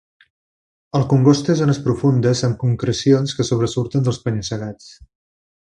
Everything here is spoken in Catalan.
El congost té zones profundes amb concrecions que sobresurten dels penya-segats.